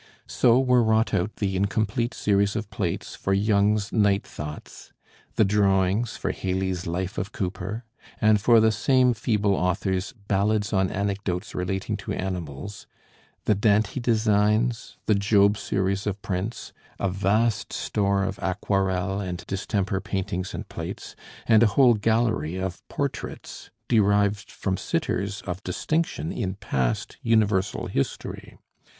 So were wrought out the (incomplete) series of plates for Young's 'Night Thoughts'; the drawings for Hayley's 'Life of Cowper,' and for the same feeble author's 'Ballads on Anecdotes relating to Animals'; the 'Dante' designs: the 'Job' series of prints; a vast store of aquarelle and distemper paintings and plates, and a whole gallery of "portraits" derived from sitters of distinction in past universal history.